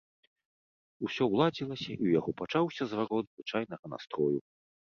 Усё ўладзілася, і ў яго пачаўся зварот звычайнага настрою.